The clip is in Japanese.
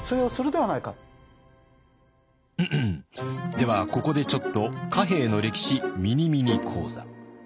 ではここでちょっと「貨幣の歴史ミニミニ講座」。